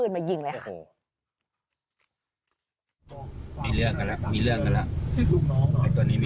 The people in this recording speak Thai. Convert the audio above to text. มีเด็กในรถใช่ไหม